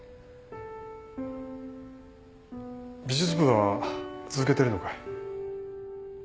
美術部は続けてるのかい？